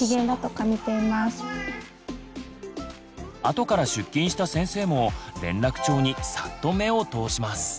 後から出勤した先生も連絡帳にさっと目を通します。